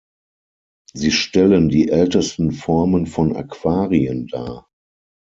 Sie stellen die ältesten Formen von Aquarien dar.